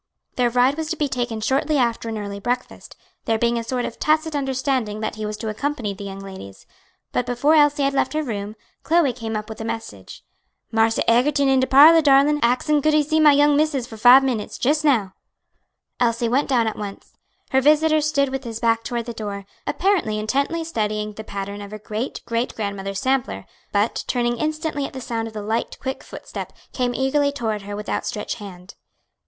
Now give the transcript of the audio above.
Their ride was to be taken shortly after an early breakfast, there being a sort of tacit understanding that he was to accompany the young ladies; but before Elsie had left her room, Chloe came up with a message. "Marse Egerton in de parlor, darlin', axin could he see my young missis for five minutes, just now." Elsie went down at once. Her visitor stood with his back toward the door, apparently intently studying the pattern of her great great grandmother's sampler, but turning instantly at the sound of the light, quick footstep, came eagerly toward her with outstretched hand.